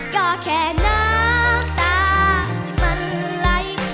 ก็แค่หนักตาไม่มั่นไหล